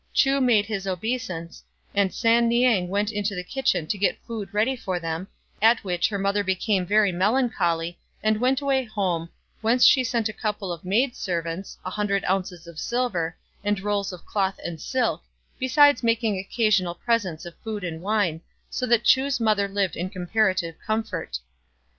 Chu made his obeisance, and San niang went into the kitchen to get food ready for them, at which her mother became very melancholy, and went away home, whence she sent a couple of maid servants, a hundred ounces of silver, and rolls of cloth and silk, besides making occasional presents of food and wine, so that Chu's mother lived in comparative comfort.